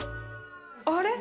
あれ？